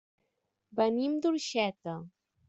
Venim d'Orxeta.